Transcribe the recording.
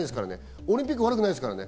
オリンピック悪くないですからね。